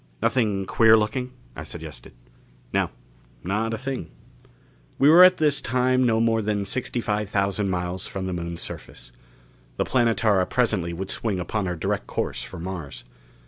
"Nothing queer looking?" I suggested. "No. Not a thing." We were at this time no more than sixty five thousand miles from the Moon's surface. The Planetara presently would swing upon her direct course for Mars.